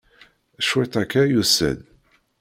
Cwiṭ akka, yusa-d.